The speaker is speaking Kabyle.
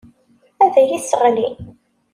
Ad iyi-sseɣlin.